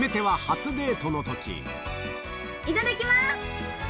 いただきます！